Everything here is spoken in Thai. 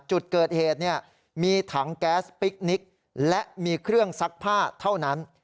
จุดเกิดเหตุมีถังแก๊สปิ๊กนิกและมีเครื่องซักผ้าเท่านั้น